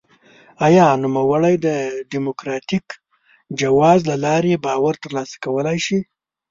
آیا نوموړی د ډیموکراټیک جواز له لارې باور ترلاسه کولای شي؟